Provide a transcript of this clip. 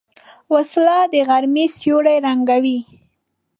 وسله د غرمې سیوری ړنګوي